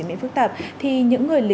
đau mịn rồi